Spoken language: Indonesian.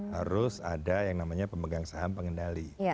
harus ada yang namanya pemegang saham pengendali